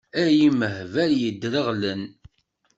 Ay imehbal yedreɣlen!